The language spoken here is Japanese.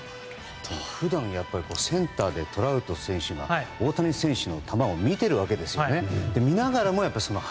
普段、センターでトラウト選手が大谷選手の球を見ているわけですよね。